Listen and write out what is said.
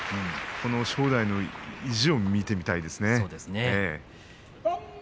正代の意地を見てみたいですね。